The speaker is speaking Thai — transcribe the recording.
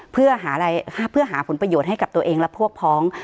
เพื่อหาผลประโยชน์ให้กับตัวเองและพวกพ้อง